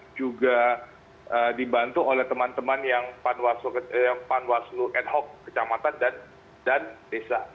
juga dibantu oleh teman teman yang panwaslu ad hoc kecamatan dan desa